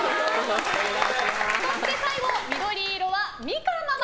そして最後、緑色はみかんママ！